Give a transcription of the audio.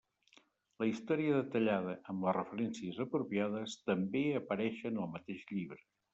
La història detallada, amb les referències apropiades, també apareixen al mateix llibre.